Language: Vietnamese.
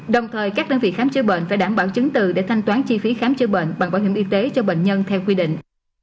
đồng thời các đơn vị khám chữa bệnh phải đảm bảo chứng từ để thanh toán chi phí khám chữa bệnh bằng bảo hiểm y tế cho bệnh nhân theo quy định